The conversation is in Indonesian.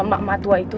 mbak matua itu